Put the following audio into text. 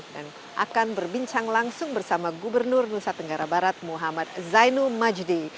dan akan berbincang langsung bersama gubernur nusa tenggara barat muhammad zainul majdi